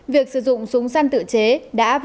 việc sử dụng súng săn tự chế đá và đá